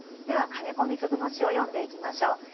では金子みすゞの詩を読んでいきましょう。